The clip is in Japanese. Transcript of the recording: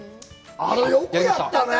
あれよくやったね